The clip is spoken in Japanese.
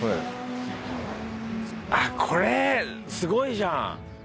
あっこれすごいじゃん！